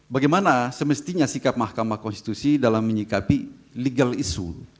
bagaimana semestinya sikap mahkamah konstitusi dalam menyikapi legal issue